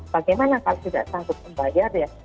bagaimana kalau tidak sanggup membayar ya